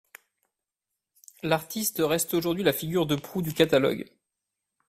L'artiste reste aujourd'hui la figure de proue du catalogue.